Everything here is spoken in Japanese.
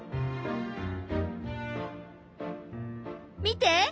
見て！